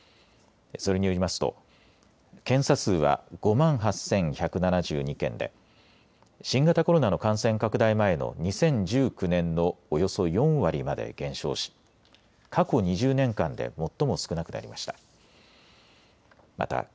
それによりますと検査数は５万８１７２件で新型コロナの感染拡大前の２０１９年のおよそ４割まで減少し過去２０年間で最も少なくなりました。